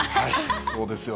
そうですよね。